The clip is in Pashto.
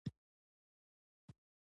ښکلې خبرې دې وکړې.